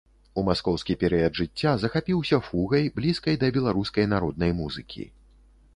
У маскоўскі перыяд жыцця захапіўся фугай, блізкай да беларускай народнай музыкі.